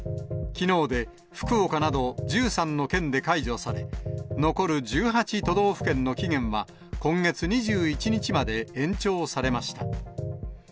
きのうで福岡など１３の県で解除され、残る１８都道府県の期限は、今月２１日まで延長されました。